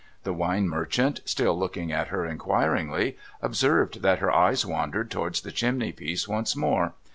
The wine merchant, still looking at her inquiringly, observed that her eyes wandered towards the chimney piece once more.